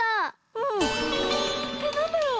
うん。えっなんだろう？